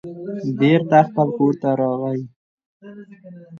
بېرته خپل کور ته راغی.